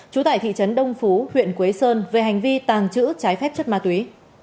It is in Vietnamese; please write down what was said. chú tải thị trấn đông phú huyện quế sơn về hành vi tàng trữ trái phép chất ma túy